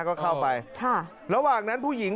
ก็เข้าไปใช่